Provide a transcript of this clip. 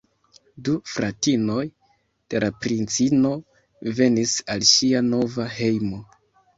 Du fratinoj de la princino venis al ŝia nova hejmo.